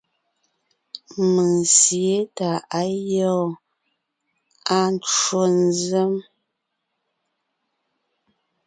Mèŋ sǐe tà á gyɔ́ɔn; À ncwò nzèm.